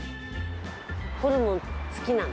ホルモン好きなの？